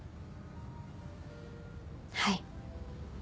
はい。